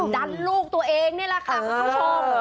ดันลูกตัวเองนี่แหละค่ะคุณผู้ชม